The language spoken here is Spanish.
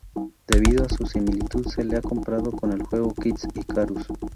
Debido a su similitud, se le ha comparado con el juego Kid Icarus.